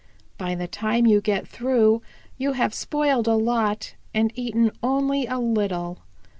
By the time you get through you have spoiled a lot, and eaten only a little.